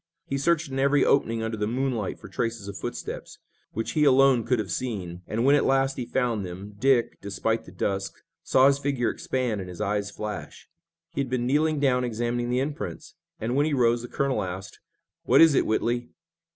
He searched in every opening under the moonlight for traces of footsteps, which he alone could have seen, and, when at last he found them, Dick, despite the dusk, saw his figure expand and his eyes flash. He had been kneeling down examining the imprints and when he arose the colonel asked: "What is it, Whitley?"